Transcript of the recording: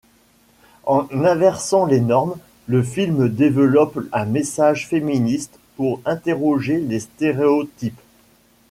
En inversant les normes, le film développe un message féministe pour interroger les stéréotypes.